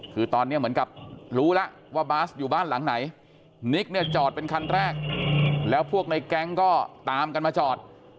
คือตอนนี้เหมือนกับรู้แล้วว่าบาสอยู่บ้านหลังไหนนิกเนี่ยจอดเป็นคันแรกแล้วพวกในแก๊งก็ตามกันมาจอด